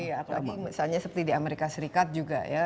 apalagi misalnya seperti di amerika serikat juga ya